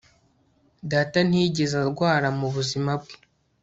Data ntiyigeze arwara mu buzima bwe